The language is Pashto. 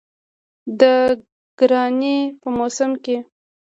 د ګرانۍ په موسم کې